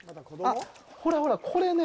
ほらほら、これね。